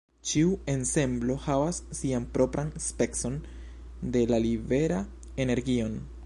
Ĉiu ensemblo havas sian propran specon de la libera energion.